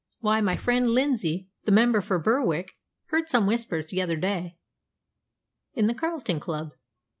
Why, my friend Lindsay, the member for Berwick, heard some whispers the other day in the Carlton Club!